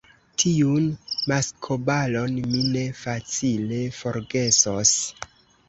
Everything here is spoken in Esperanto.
tiun maskobalon mi ne facile forgesos!